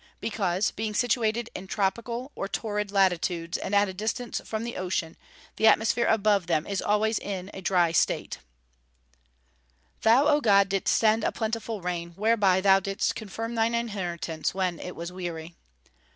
_ Because, being situated in tropical or torrid latitudes, and at a distance from the ocean, the atmosphere above them is always in a dry state. [Verse: "Thou, O God, didst send a plentiful rain, whereby thou didst confirm thine inheritance, when it was weary."